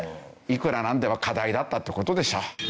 いくらなんでも過大だったっていう事でしょう。